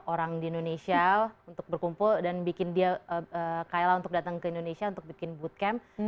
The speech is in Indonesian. orang di indonesia untuk berkumpul dan bikin dia kayalah untuk datang ke indonesia untuk bikin bootcamp